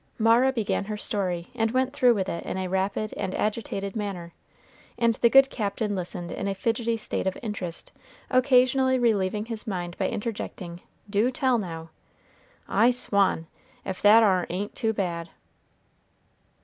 Mara began her story, and went through with it in a rapid and agitated manner; and the good Captain listened in a fidgety state of interest, occasionally relieving his mind by interjecting "Do tell, now!" "I swan, if that ar ain't too bad."